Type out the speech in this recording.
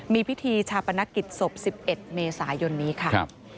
มีพิธีชาปนกิจศพ๑๑เมษายนนี้ค่ะ